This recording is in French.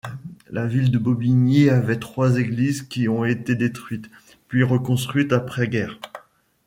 La ville de Bobigny avait trois églises qui ont été détruites, puis reconstruites après-guerre.